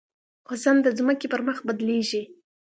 وزن د ځمکې پر مخ بدلېږي.